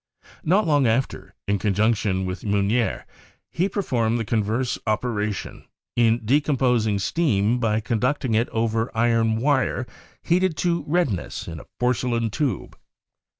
Not long after, in conjunc tion with Meunier, he performed the converse operation, in decomposing steam by conducting it over iron wire heated to redness in a porcelain tube.